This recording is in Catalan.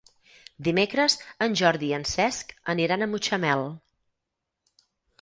Dimecres en Jordi i en Cesc aniran a Mutxamel.